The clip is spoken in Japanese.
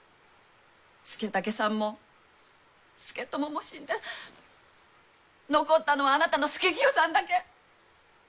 佐武さんも佐智も死んで残ったのはあなたの佐清さんだけ。